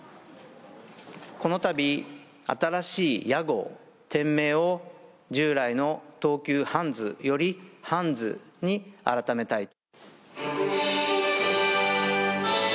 このたび、新しい屋号、店名を、従来の東急ハンズよりハンズに改めたい。